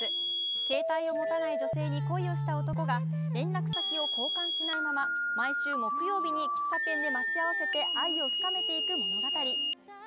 携帯を持たない女性に恋をした男が、連絡先を交換しないまま、毎週木曜日に喫茶店で待ち合わせて愛を深めていく物語。